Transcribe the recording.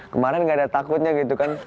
kemarin gak ada takutnya gitu kan